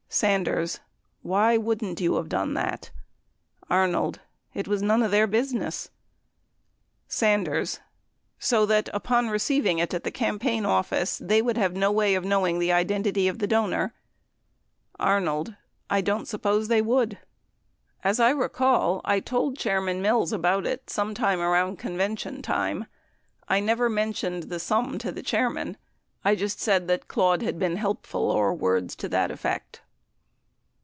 Sanders. Why wouldn't you have done that? Arnold. It was none of their business. Sanders. So that upon receiving it at the campaign office they would have no way of knowing the identity of the donor ? Arnold. I don't suppose they would. Arnold. As I recall, I told Chairman Mills about it some time around Convention time. ... I never mentioned the sum to the Chairman. I just said that Claude had been helpful, or words to that effect.